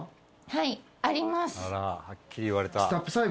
はい。